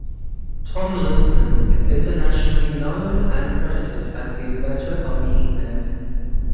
Tomlinson is internationally known and credited as the inventor of the email.